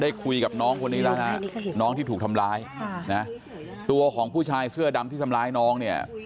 คุยกับน้องคนนี้แล้วนะน้องที่ถูกทำร้ายค่ะนะตัวของผู้ชายเสื้อดำที่ทำร้ายน้องเนี่ย